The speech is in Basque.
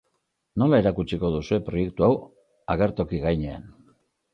Nola erakutsiko duzue proiektu hau agertoki gainean?